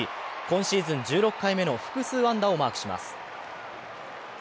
今シーズン１６回目の複数安打をマークします。